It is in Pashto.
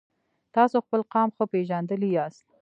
تاسو خپل قام ښه پیژندلی یاست.